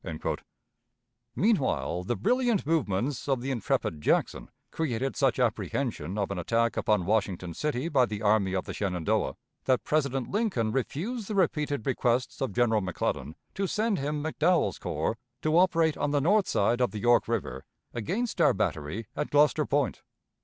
Meanwhile, the brilliant movements of the intrepid Jackson created such apprehension of an attack upon Washington City by the Army of the Shenandoah, that President Lincoln refused the repeated requests of General McClellan to send him McDowell's corps to operate on the north side of the York River against our battery at Gloucester Point.